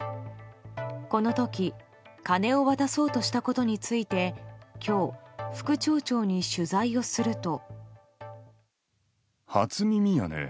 この時金を渡そうとしたことについて今日、副町長に取材をすると。